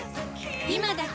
今だけ！